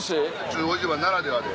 中央市場ならではで。